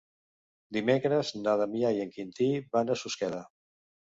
Dimecres na Damià i en Quintí van a Susqueda.